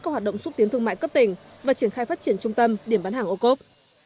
các hoạt động xúc tiến thương mại cấp tỉnh và triển khai phát triển trung tâm điểm bán hàng ô cốp